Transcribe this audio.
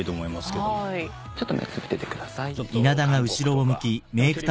ちょっと目つぶっててください。